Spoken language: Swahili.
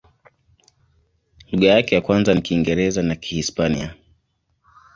Lugha yake ya kwanza ni Kiingereza na Kihispania.